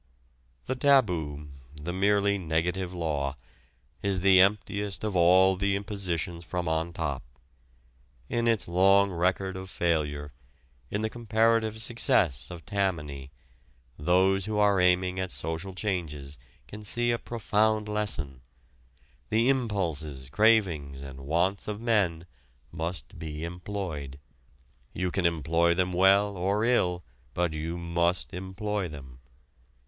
The taboo the merely negative law is the emptiest of all the impositions from on top. In its long record of failure, in the comparative success of Tammany, those who are aiming at social changes can see a profound lesson; the impulses, cravings and wants of men must be employed. You can employ them well or ill, but you must employ them.